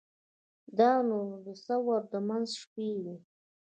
دا نو د ثور د منځ شپې وې.